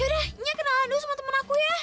yaudah nya kenalan dulu sama temen aku ya